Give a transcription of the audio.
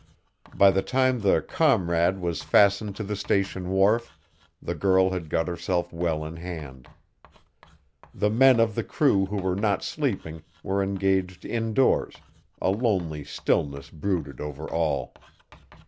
By the time the Comrade was fastened to the Station wharf, the girl had got herself well in hand. The men of the crew who were not sleeping were engaged indoors, a lonely stillness brooded over all.